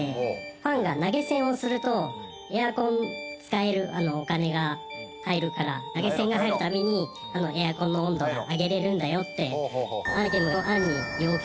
「ファンが投げ銭をするとエアコンを使えるお金が入るから投げ銭が入る度にエアコンの温度を上げられるんだよって」